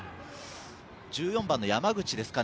１４番の山口ですかね。